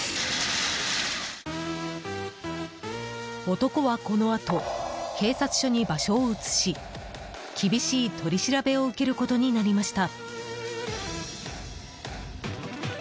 男は、このあと警察署に場所を移し厳しい取り調べを受けることになりました。